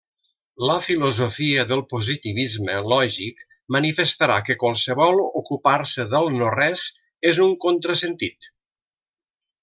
La filosofia del positivisme lògic manifestarà que qualsevol ocupar-se del no-res és un contrasentit.